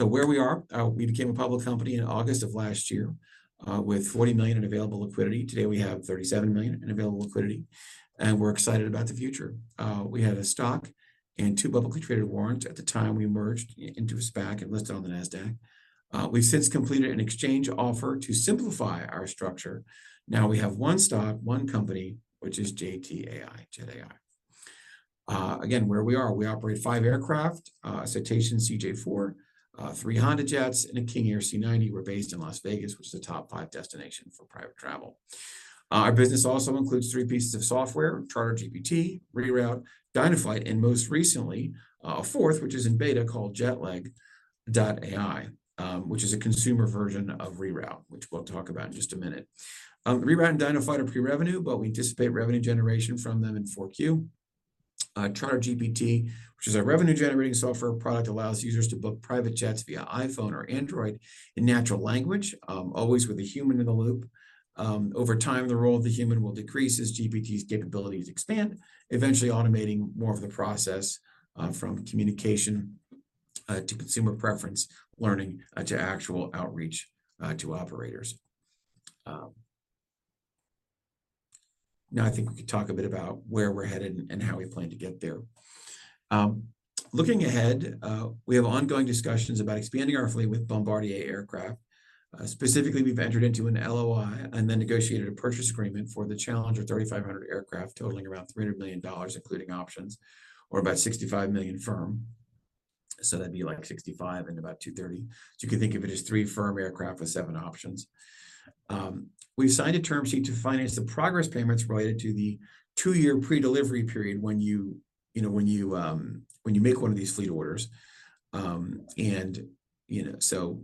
Where we are, we became a public company in August of last year with $40 million in available liquidity. Today, we have $37 million in available liquidity, and we're excited about the future. We had a stock and two publicly traded warrants at the time we merged into a SPAC and listed on the Nasdaq. We've since completed an exchange offer to simplify our structure. Now we have one stock, one company, which is JTAI, Jet.AI. Again, where we are, we operate five aircraft, Citation CJ4, three HondaJets, and a King Air C90. We're based in Las Vegas, which is a top five destination for private travel. Our business also includes three pieces of software, CharterGPT, Reroute, DynaFlight, and most recently, a fourth, which is in beta called JetLeg.AI, which is a consumer version of Reroute, which we'll talk about in just a minute. Reroute AI and DynaFlight are pre-revenue, but we anticipate revenue generation from them in 4Q. CharterGPT, which is our revenue-generating software product, allows users to book private jets via iPhone or Android in natural language, always with a human in the loop. Over time, the role of the human will decrease as GPT's capabilities expand, eventually automating more of the process from communication to consumer preference learning to actual outreach to operators. Now I think we could talk a bit about where we're headed and how we plan to get there. Looking ahead, we have ongoing discussions about expanding our fleet with Bombardier aircraft. Specifically, we've entered into an LOI and then negotiated a purchase agreement for the Challenger 3500 aircraft totaling around $300 million, including options, or about $65 million firm. That'd be like $65 and about $230. You can think of it as three firm aircraft with seven options. We've signed a term sheet to finance the progress payments related to the two-year pre-delivery period when you make one of these fleet orders. Again, you've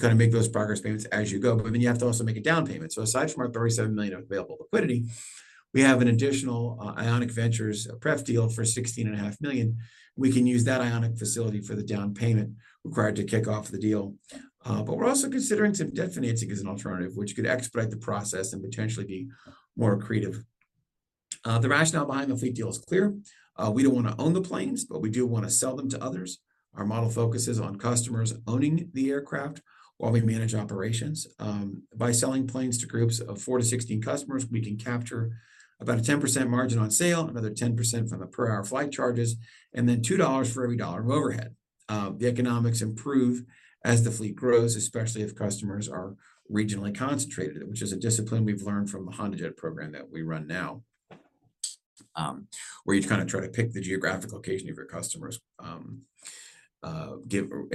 got to make those progress payments as you go, but then you have to also make a down payment. Aside from our $37 million of available liquidity, we have an additional Ionic Ventures pref deal for $16.5 million. We can use that Ionic facility for the down payment required to kick off the deal. We're also considering some debt financing as an alternative, which could expedite the process and potentially be more accretive. The rationale behind the fleet deal is clear. We don't want to own the planes, but we do want to sell them to others. Our model focuses on customers owning the aircraft while we manage operations. By selling planes to groups of four to 16 customers, we can capture about a 10% margin on sale, another 10% from the per-hour flight charges, and then $2 for every dollar of overhead. The economics improve as the fleet grows, especially if customers are regionally concentrated, which is a discipline we've learned from the HondaJet program that we run now, where you kind of try to pick the geographic location of your customers and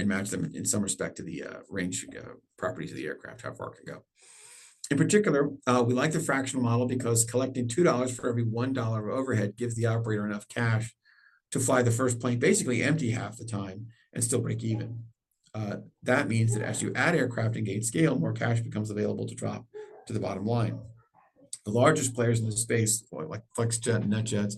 match them in some respect to the range properties of the aircraft, how far it can go. In particular, we like the fractional model because collecting $2 for every $1 of overhead gives the operator enough cash to fly the first plane basically empty half the time and still break even. That means that as you add aircraft and gain scale, more cash becomes available to drop to the bottom line. The largest players in the space, like Flexjet and NetJets,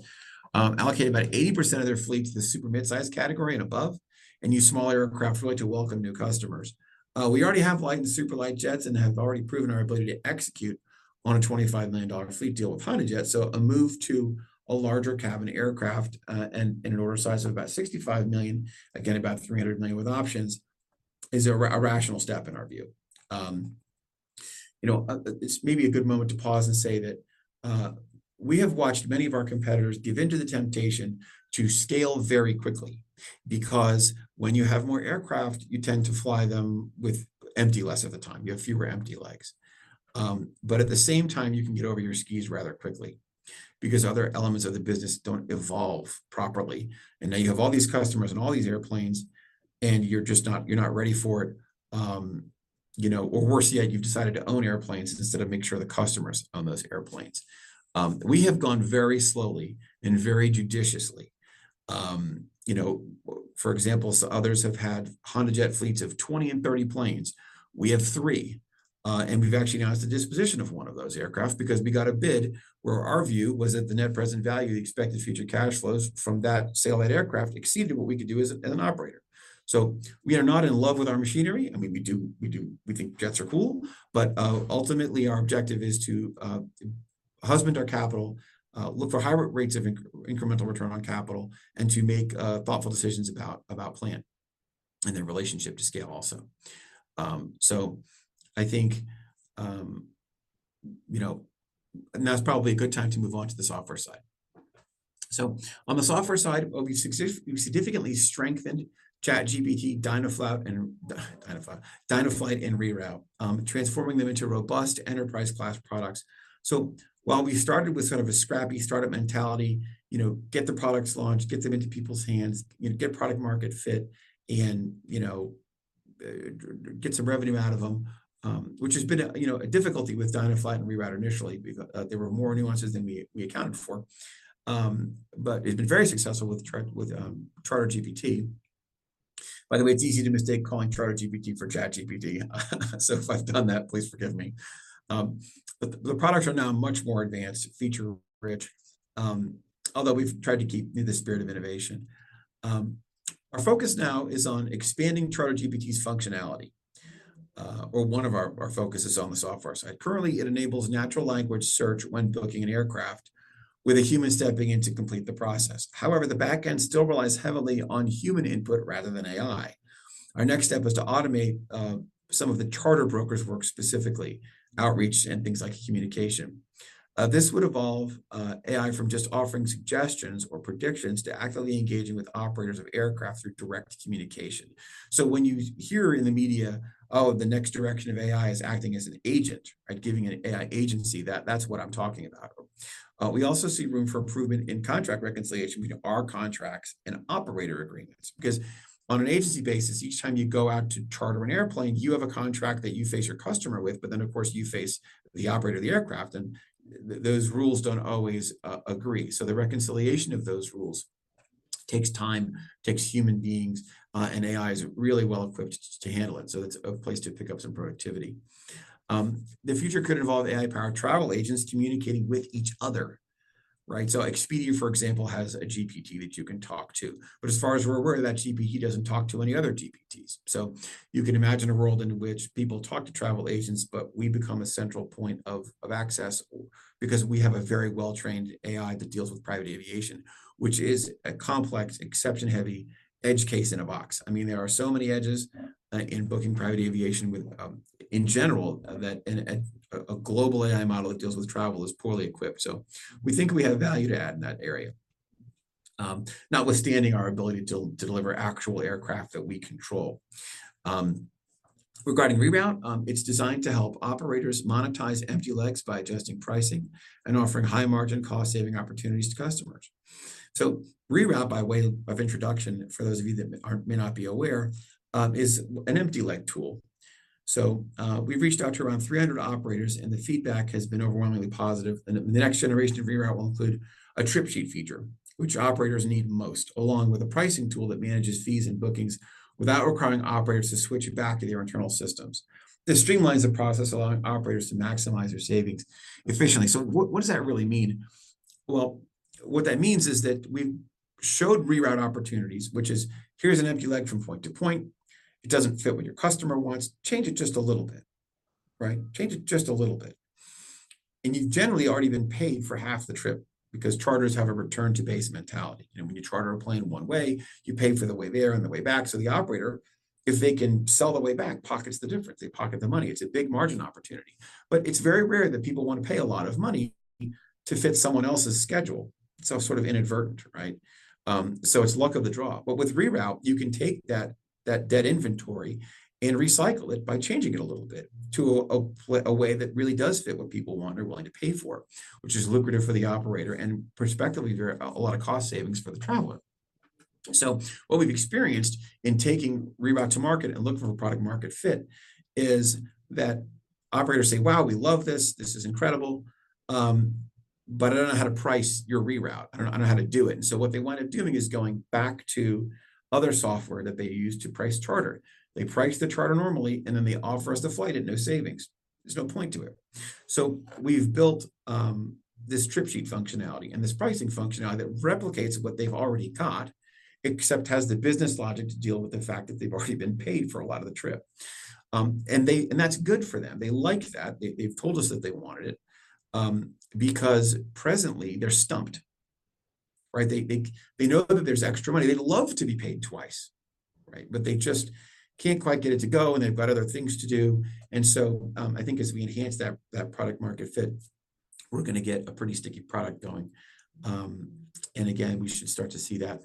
allocate about 80% of their fleet to the super midsize category and above and use smaller aircraft really to welcome new customers. We already have light and super light jets and have already proven our ability to execute on a $25 million fleet deal with HondaJet. A move to a larger cabin aircraft and an order size of about $65 million, again, about $300 million with options, is a rational step in our view. You know, it's maybe a good moment to pause and say that we have watched many of our competitors give in to the temptation to scale very quickly because when you have more aircraft, you tend to fly them with empty legs less of the time. You have fewer empty legs. At the same time, you can get over your skis rather quickly because other elements of the business don't evolve properly. Now you have all these customers and all these airplanes and you're just not ready for it. You know, or worse yet, you've decided to own airplanes instead of make sure the customer's on those airplanes. We have gone very slowly and very judiciously. You know, for example, others have had HondaJet fleets of 20 and 30 planes. We have three. We've actually announced the disposition of one of those aircraft because we got a bid where our view was that the net present value of the expected future cash flows from that sale of that aircraft exceeded what we could do as an operator. We are not in love with our machinery. I mean, we do, we think jets are cool. Ultimately, our objective is to husband our capital, look for higher rates of incremental return on capital, and to make thoughtful decisions about plan and then relationship to scale also. I think, you know, now's probably a good time to move on to the software side. On the software side, we've significantly strengthened CharterGPT, DynaFlight, and Reroute, transforming them into robust enterprise-class products. While we started with kind of a scrappy startup mentality, you know, get the products launched, get them into people's hands, you know, get product market fit, and, you know, get some revenue out of them, which has been, you know, a difficulty with DynaFlight and Reroute initially because there were more nuances than we accounted for. It's been very successful with CharterGPT. By the way, it's easy to mistake calling CharterGPT for ChatGPT. So if I've done that, please forgive me. The products are now much more advanced, feature-rich, although we've tried to keep in the spirit of innovation. Our focus now is on expanding CharterGPT's functionality, or one of our focus is on the software side. Currently, it enables natural language search when booking an aircraft with a human stepping in to complete the process. However, the back end still relies heavily on human input rather than AI. Our next step is to automate some of the charter brokers' work, specifically outreach and things like communication. This would evolve AI from just offering suggestions or predictions to actively engaging with operators of aircraft through direct communication. When you hear in the media, "Oh, the next direction of AI is acting as an agent," right? Giving an AI agency, that's what I'm talking about. We also see room for improvement in contract reconciliation between our contracts and operator agreements. Because on an agency basis, each time you go out to charter an airplane, you have a contract that you face your customer with, but then of course you face the operator of the aircraft, and those rules don't always agree. The reconciliation of those rules takes time, takes human beings, and AI is really well-equipped to handle it, so it's a place to pick up some productivity. The future could involve AI-powered travel agents communicating with each other, right? Expedia, for example, has a GPT that you can talk to. But as far as we're aware, that GPT doesn't talk to any other GPTs. You can imagine a world in which people talk to travel agents, but we become a central point of access because we have a very well-trained AI that deals with private aviation, which is a complex, exception-heavy edge case in a box. I mean, there are so many edges in booking private aviation in general, that a global AI model that deals with travel is poorly equipped. We think we have value to add in that area, notwithstanding our ability to deliver actual aircraft that we control. Regarding Reroute, it's designed to help operators monetize empty legs by adjusting pricing and offering high-margin, cost-saving opportunities to customers. Reroute, by way of introduction for those of you that may not be aware, is an empty leg tool. We've reached out to around 300 operators, and the feedback has been overwhelmingly positive. The next generation of Reroute will include a trip sheet feature, which operators need most, along with a pricing tool that manages fees and bookings without requiring operators to switch back to their internal systems. This streamlines the process, allowing operators to maximize their savings efficiently. What does that really mean? Well, what that means is that we showed Reroute opportunities, which is, "Here's an empty leg from point to point. It doesn't fit what your customer wants. Change it just a little bit," right? "Change it just a little bit." You've generally already been paid for half the trip because charters have a return-to-base mentality. You know, when you charter a plane one way, you pay for the way there and the way back. The operator, if they can sell the way back, pockets the difference. They pocket the money. It's a big margin opportunity. It's very rare that people want to pay a lot of money to fit someone else's schedule. It's all sort of inadvertent, right? It's luck of the draw. With Reroute, you can take that dead inventory and recycle it by changing it a little bit to a way that really does fit what people want or are willing to pay for, which is lucrative for the operator and perspectively there are a lot of cost savings for the traveler. What we've experienced in taking Reroute to market and looking for a product market fit is that operators say, "Wow, we love this. This is incredible, but I don't know how to price your Reroute. I don't know how to do it." What they wind up doing is going back to other software that they use to price charter. They price the charter normally, and then they offer us the flight at no savings. There's no point to it. We've built this trip sheet functionality and this pricing functionality that replicates what they've already got, except has the business logic to deal with the fact that they've already been paid for a lot of the trip. That's good for them. They like that. They've told us that they wanted it because presently they're stumped, right? They know that there's extra money. They'd love to be paid twice, right? They just can't quite get it to go, and they've got other things to do. I think as we enhance that product market fit, we're gonna get a pretty sticky product going. We should start to see that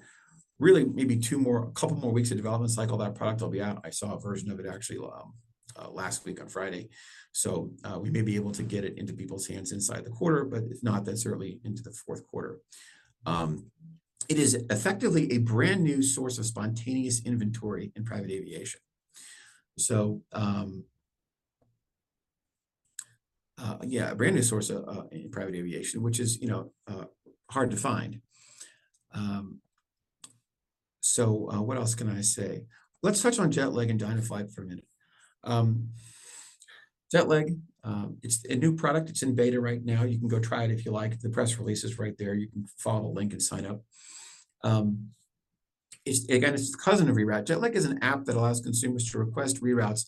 really maybe couple more weeks of development cycle, that product will be out. I saw a version of it actually last week on Friday. We may be able to get it into people's hands inside the quarter, but if not, then certainly into the fourth quarter. It is effectively a brand-new source of spontaneous inventory in private aviation. A brand-new source in private aviation, which is, you know, hard to find. What else can I say? Let's touch on JetLeg and DynaFlight for a minute. JetLeg, it's a new product. It's in beta right now. You can go try it if you like. The press release is right there. You can follow the link and sign up. It's again the cousin of Reroute. JetLeg is an app that allows consumers to request reroutes,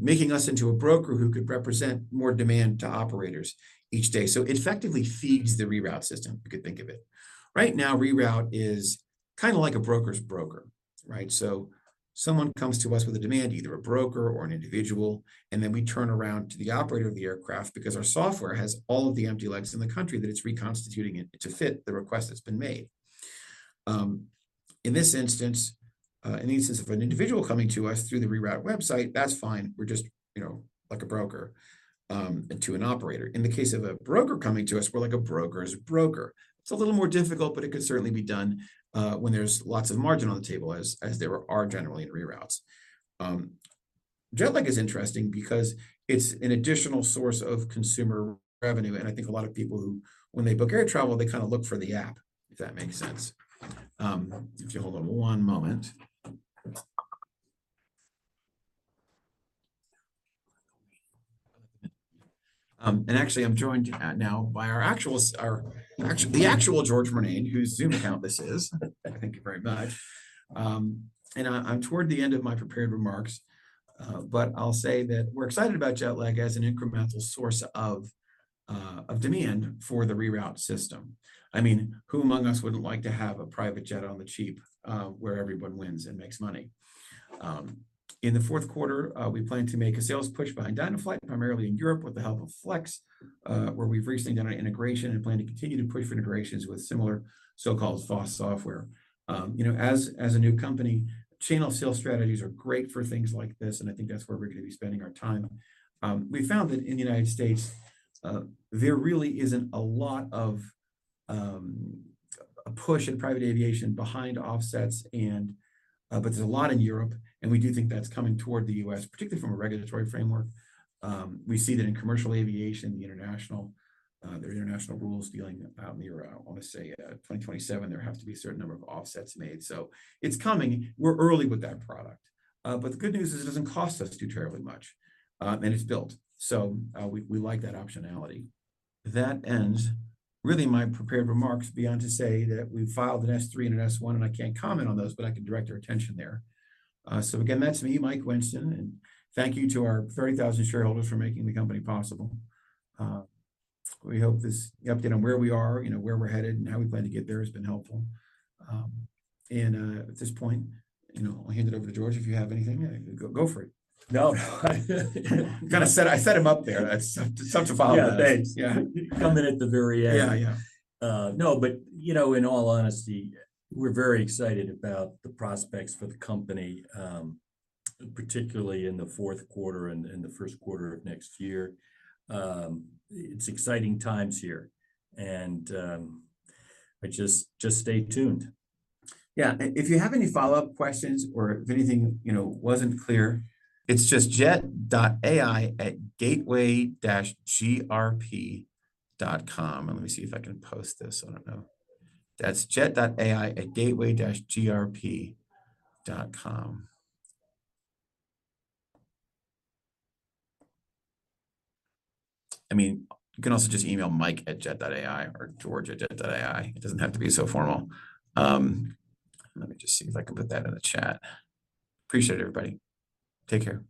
making us into a broker who could represent more demand to operators each day. It effectively feeds the Reroute system, you could think of it. Right now, Reroute is kind of like a broker's broker, right? Someone comes to us with a demand, either a broker or an individual, and then we turn around to the operator of the aircraft because our software has all of the empty legs in the country that it's reconstituting it to fit the request that's been made. In this instance of an individual coming to us through the Reroute website, that's fine. We're just, you know, like a broker to an operator. In the case of a broker coming to us, we're like a broker's broker. It's a little more difficult, but it could certainly be done when there's lots of margin on the table as there are generally in reroutes. JetLeg is interesting because it's an additional source of consumer revenue, and I think a lot of people who, when they book air travel, they kind of look for the app, if that makes sense. If you hold on one moment. Actually I'm joined now by our actual George Murnane, whose Zoom account this is. Thank you very much. I'm toward the end of my prepared remarks, but I'll say that we're excited about JetLeg.AI as an incremental source of demand for the Reroute AI. I mean, who among us wouldn't like to have a private jet on the cheap, where everyone wins and makes money? In the fourth quarter, we plan to make a sales push behind DynaFlight, primarily in Europe with the help of Flexjet, where we've recently done our integration and plan to continue to push for integrations with similar so-called FOSS software. You know, as a new company, channel sales strategies are great for things like this, and I think that's where we're gonna be spending our time. We found that in the United States, there really isn't a lot of a push in private aviation behind offsets, but there's a lot in Europe, and we do think that's coming toward the U.S., particularly from a regulatory framework. We see that in commercial aviation, the international rules. 2027, there have to be a certain number of offsets made. It's coming. We're early with that product. The good news is it doesn't cost us too terribly much, and it's built. We like that optionality. That ends really my prepared remarks beyond to say that we've filed an S-3 and an S-1, and I can't comment on those, but I can direct your attention there. Again, that's me, Mike Winston, and thank you to our 30,000 shareholders for making the company possible. We hope this update on where we are, you know, where we're headed, and how we plan to get there has been helpful. At this point, you know, I'll hand it over to George if you have anything. Go for it. No. Kinda set, I set him up there. That's tough to follow that. Yeah, thanks. Yeah. Come in at the very end. Yeah, yeah. No, but you know, in all honesty, we're very excited about the prospects for the company, particularly in the fourth quarter and the first quarter of next year. It's exciting times here. Just stay tuned. Yeah. If you have any follow-up questions or if anything, you know, wasn't clear, it's just jet.ai@gateway-grp.com. Let me see if I can post this. I don't know. That's jet.ai@gateway-grp.com. I mean, you can also just email mike@jet.ai or george@jet.ai. It doesn't have to be so formal. Let me just see if I can put that in the chat. I appreciate it, everybody. Take care.